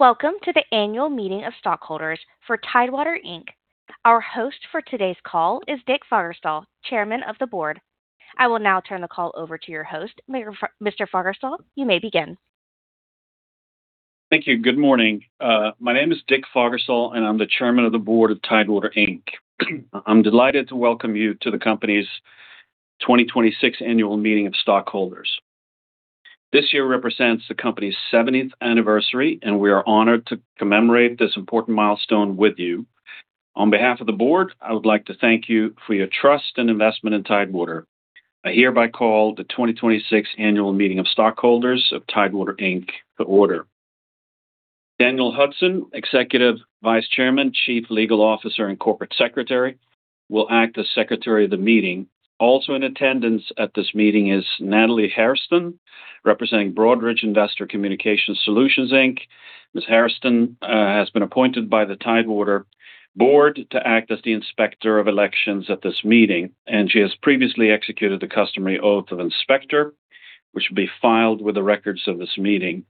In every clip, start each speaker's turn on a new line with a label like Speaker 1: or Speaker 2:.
Speaker 1: Welcome to the Annual Meeting of Stockholders for Tidewater Inc. Our host for today's call is Dick Fagerstal, Chairman of the Board. I will now turn the call over to your host. Mr. Fagerstal, you may begin.
Speaker 2: Thank you. Good morning. My name is Dick Fagerstal, and I'm the Chairman of the Board of Tidewater Inc. I'm delighted to welcome you to the company's 2026 Annual Meeting of Stockholders. This year represents the company's 70th anniversary, and we are honored to commemorate this important milestone with you. On behalf of the Board, I would like to thank you for your trust and investment in Tidewater. I hereby call the 2026 Annual Meeting of Stockholders of Tidewater Inc to order. Daniel Hudson, Executive Vice Chairman, Chief Legal Officer, and Corporate Secretary, will act as Secretary of the Meeting. Also in attendance at this meeting is Natalie Hairston, representing Broadridge Investor Communication Solutions, Inc. Ms. Hairston has been appointed by the Tidewater Board to act as the Inspector of Elections at this meeting. She has previously executed the customary Oath of Inspector, which will be filed with the records of this meeting.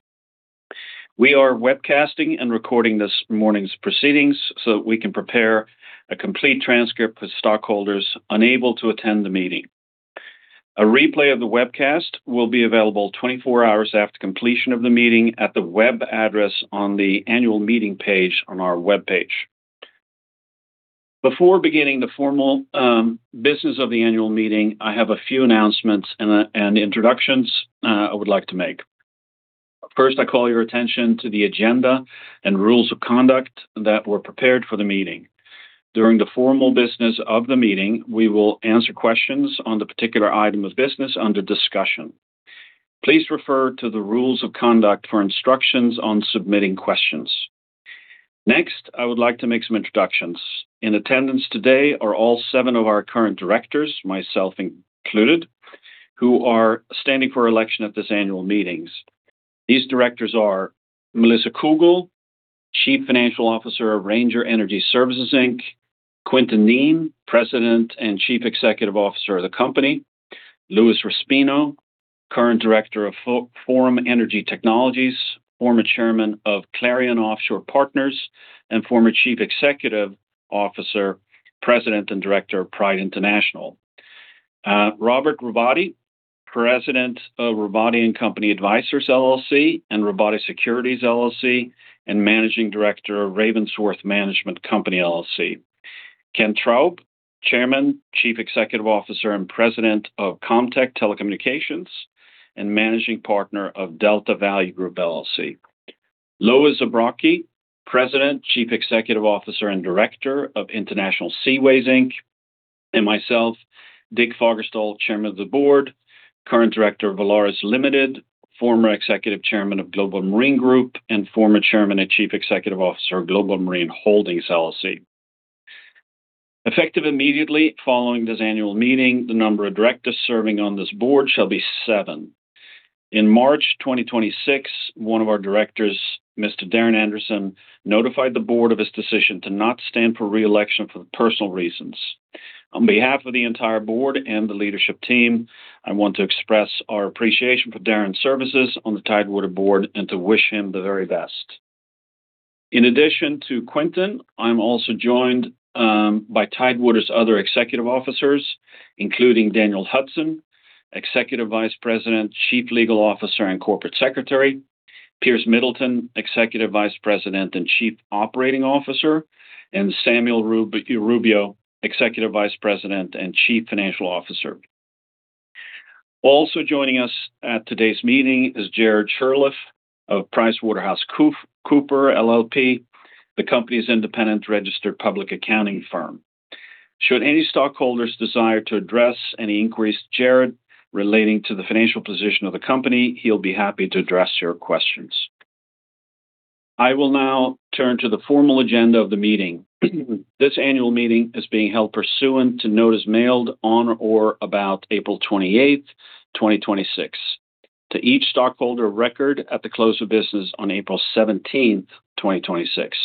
Speaker 2: We are webcasting and recording this morning's proceedings so that we can prepare a complete transcript for stockholders unable to attend the meeting. A replay of the webcast will be available 24 hours after completion of the meeting at the web address on the Annual Meeting page on our webpage. Before beginning the formal business of the Annual Meeting, I have a few announcements and introductions I would like to make. First, I call your attention to the agenda and rules of conduct that were prepared for the meeting. During the formal business of the meeting, we will answer questions on the particular item of business under discussion. Please refer to the rules of conduct for instructions on submitting questions. Next, I would like to make some introductions. In attendance today are all seven of our current directors, myself included, who are standing for election at this Annual Meeting. These directors are Melissa Cougle, Chief Financial Officer of Ranger Energy Services, Inc; Quintin Kneen, President and Chief Executive Officer of the company; Louis Raspino, current Director of Forum Energy Technologies, former Chairman of Clarion Offshore Partners, and former Chief Executive Officer, President, and Director of Pride International; Robert Robotti, President of Robotti & Company Advisors, LLC and Robotti Securities, LLC, and Managing Director of Ravensworth Management Company, LLC; Ken Traub, Chairman, Chief Executive Officer, and President of Comtech Telecommunications and Managing Partner of Delta Value Group, LLC; Lois Zabrocky, President, Chief Executive Officer, and Director of International Seaways, Inc; and myself, Dick Fagerstal, Chairman of the Board, current Director of Valaris Limited, former Executive Chairman of Global Marine Group, and former Chairman and Chief Executive Officer of Global Marine Holdings, LLC. Effective immediately following this Annual Meeting, the number of directors serving on this Board shall be seven. In March 2026, one of our directors, Mr. Darron Anderson, notified the Board of his decision to not stand for re-election for personal reasons. On behalf of the entire Board and the leadership team, I want to express our appreciation for Darron's services on the Tidewater Board and to wish him the very best. In addition to Quintin, I'm also joined by Tidewater's other executive officers, including Daniel Hudson, Executive Vice President, Chief Legal Officer, and Corporate Secretary, Piers Middleton, Executive Vice President and Chief Operating Officer, and Samuel Rubio, Executive Vice President and Chief Financial Officer. Also joining us at today's meeting is Jared Shurtliff of PricewaterhouseCoopers LLP, the company's independent registered public accounting firm. Should any stockholders desire to address any inquiries to Jared relating to the financial position of the company, he'll be happy to address your questions. I will now turn to the formal agenda of the meeting. This Annual Meeting is being held pursuant to notice mailed on or about April 28th, 2026, to each stockholder record at the close of business on April 17th, 2026.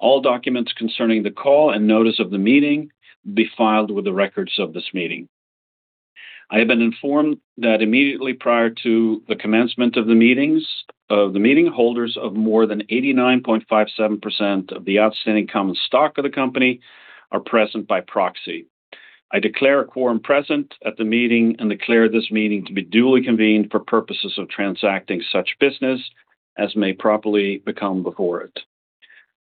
Speaker 2: All documents concerning the call and notice of the meeting will be filed with the records of this meeting. I have been informed that immediately prior to the commencement of the meeting, holders of more than 89.57% of the outstanding common stock of the company are present by proxy. I declare a quorum present at the meeting and declare this meeting to be duly convened for purposes of transacting such business as may properly come before it.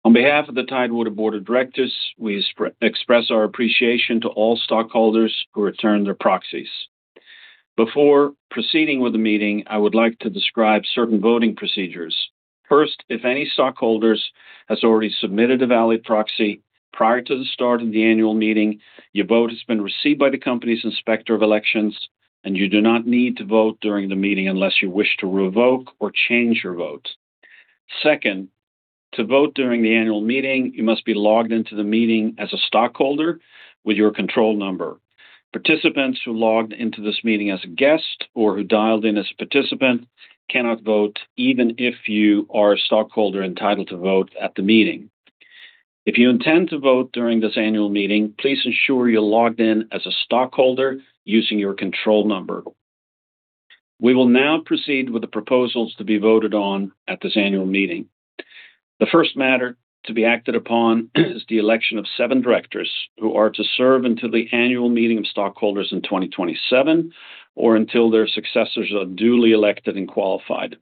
Speaker 2: On behalf of the Tidewater Board of Directors, we express our appreciation to all stockholders who returned their proxies. Before proceeding with the meeting, I would like to describe certain voting procedures. First, if any stockholder has already submitted a valid proxy prior to the start of the Annual Meeting, your vote has been received by the company's Inspector of Elections and you do not need to vote during the meeting unless you wish to revoke or change your vote. Second, to vote during the Annual Meeting, you must be logged into the meeting as a stockholder with your control number. Participants who logged into this meeting as a guest or who dialed in as a participant cannot vote even if you are a stockholder entitled to vote at the meeting. If you intend to vote during this Annual Meeting, please ensure you're logged in as a stockholder using your control number. We will now proceed with the proposals to be voted on at this Annual Meeting. The first matter to be acted upon is the election of seven directors who are to serve until the Annual Meeting of Stockholders in 2027, or until their successors are duly elected and qualified.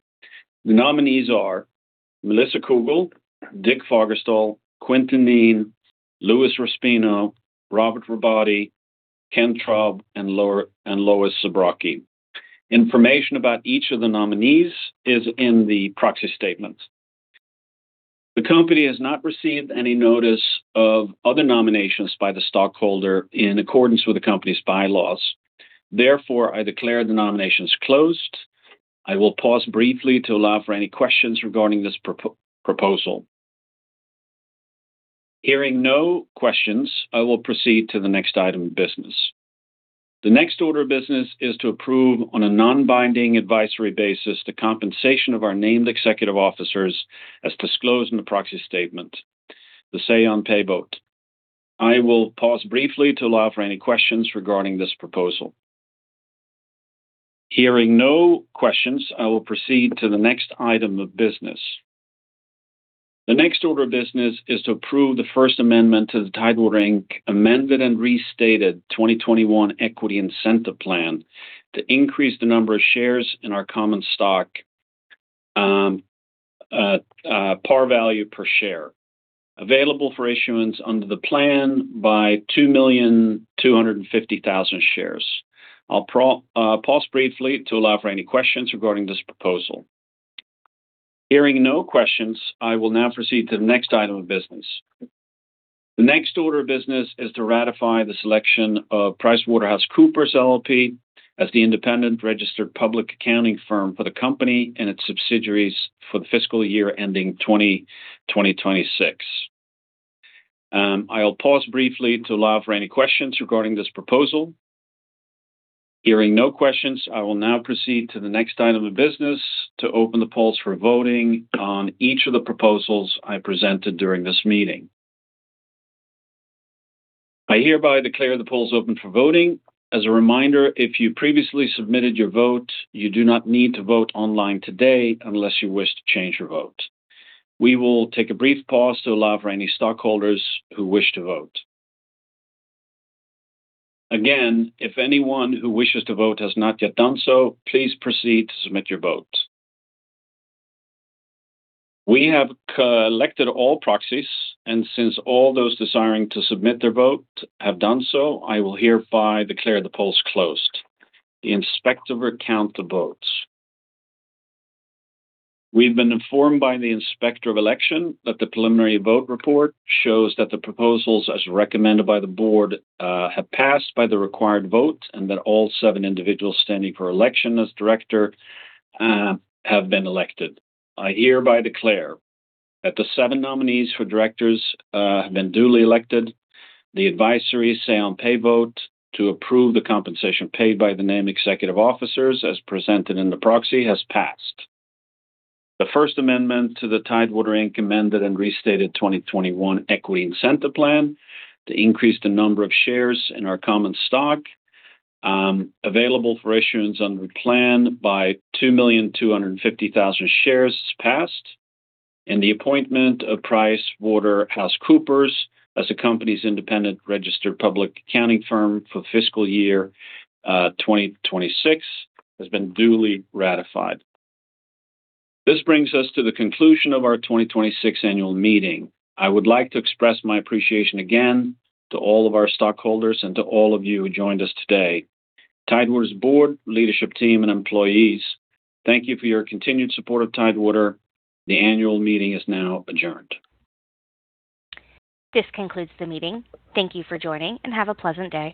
Speaker 2: The nominees are Melissa Cougle, Dick Fagerstal, Quintin Kneen, Louis Raspino, Robert Robotti, Ken Traub, and Lois Zabrocky. Information about each of the nominees is in the proxy statement. The company has not received any notice of other nominations by the stockholder in accordance with the company's bylaws. Therefore, I declare the nominations closed. I will pause briefly to allow for any questions regarding this proposal. Hearing no questions, I will proceed to the next item of business. The next order of business is to approve, on a non-binding advisory basis, the compensation of our named executive officers as disclosed in the proxy statement, the say-on-pay vote. I will pause briefly to allow for any questions regarding this proposal. Hearing no questions, I will proceed to the next item of business. The next order of business is to approve the First Amendment to the Tidewater Inc Amended and Restated 2021 Equity Incentive Plan, to increase the number of shares in our common stock par value per share available for issuance under the plan by 2,250,000 shares. I'll pause briefly to allow for any questions regarding this proposal. Hearing no questions, I will now proceed to the next item of business. The next order of business is to ratify the selection of PricewaterhouseCoopers LLP, as the independent registered public accounting firm for the company and its subsidiaries for the fiscal year ending 2026. I'll pause briefly to allow for any questions regarding this proposal. Hearing no questions, I will now proceed to the next item of business, to open the polls for voting on each of the proposals I presented during this meeting. I hereby declare the polls open for voting. As a reminder, if you previously submitted your vote, you do not need to vote online today unless you wish to change your vote. We will take a brief pause to allow for any stockholders who wish to vote. Again, if anyone who wishes to vote has not yet done so, please proceed to submit your vote. We have collected all proxies. Since all those desiring to submit their vote have done so, I will hereby declare the polls closed. The Inspector will count the votes. We've been informed by the Inspector of Election that the preliminary vote report shows that the proposals as recommended by the Board have passed by the required vote, and that all seven individuals standing for election as director have been elected. I hereby declare that the seven nominees for directors have been duly elected. The advisory say-on-pay vote to approve the compensation paid by the named executive officers as presented in the proxy has passed. The First Amendment to the Tidewater Inc Amended and Restated 2021 Equity Incentive Plan to increase the number of shares in our common stock available for issuance under the plan by 2,250,000 shares has passed. The appointment of PricewaterhouseCoopers as the company's independent registered public accounting firm for fiscal year 2026 has been duly ratified. This brings us to the conclusion of our 2026 Annual Meeting. I would like to express my appreciation again to all of our stockholders and to all of you who joined us today. Tidewater's Board, leadership team, and employees thank you for your continued support of Tidewater. The Annual Meeting is now adjourned.
Speaker 1: This concludes the meeting. Thank you for joining and have a pleasant day.